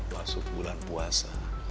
masuk bulan puasa